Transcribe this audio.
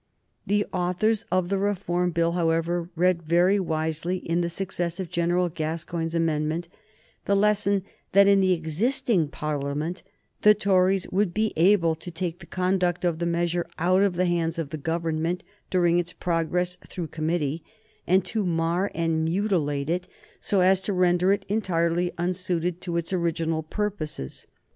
The authors of the Reform Bill, however, read very wisely in the success of General Gascoigne's amendment the lesson that in the existing Parliament the Tories would be able to take the conduct of the measure out of the hands of the Government during its progress through committee, and to mar and mutilate it, so as to render it entirely unsuited to its original purposes.